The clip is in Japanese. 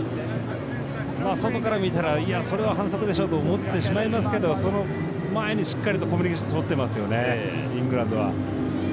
外から見たらいや、それは反則でしょと思ってしまいますけどその前にしっかりとコミュニケーションとってますよね、イングランドは。